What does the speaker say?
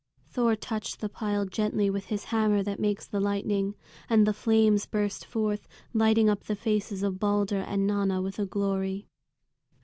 Thor touched the pile gently with his hammer that makes the lightning, and the flames burst forth, lighting up the faces of Balder and Nanna with a glory.